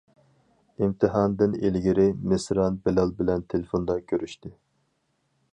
ئىمتىھاندىن ئىلگىرى، مىسران بىلال بىلەن تېلېفوندا كۆرۈشتى.